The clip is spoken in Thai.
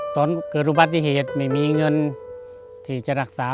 ตอนเกิดอุบัติเหตุไม่มีเงินที่จะรักษา